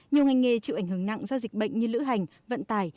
nhiều ngành nghề chịu ảnh hưởng nặng do dịch bệnh như lữ hành vận tải